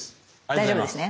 大丈夫ですね？